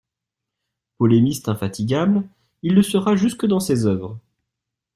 Polémiste infatigable, il le sera jusque dans ses œuvres.